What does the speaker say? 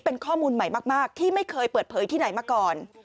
เป็นข้อมูลใหม่มากที่ไม่เคยเปิดเผยที่ไหนมาก่อน